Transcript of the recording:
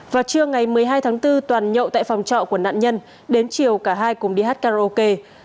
vào trưa ngày một mươi hai tháng bốn toàn nhậu tại phòng trọ của nạn nhân đến chiều cả hai cùng đi hát karaoke